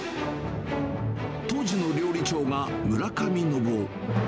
当時の料理長が村上信夫。